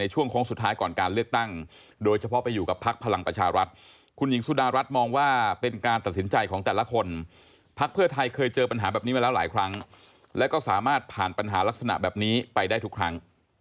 ด้วยคุณหญิงสุดารัฐเชื่อว่าประชาชนยังรอความหวังว่าพักเพื่อไทยจะเข้ามาแก้ปัญหาปากท้องให้กับชาวบ้าน